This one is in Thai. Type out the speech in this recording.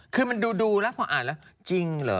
คือมันดูแล้วพออ่านแล้วจริงเหรอ